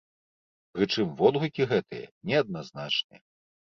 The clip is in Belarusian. Прычым водгукі гэтыя неадназначныя.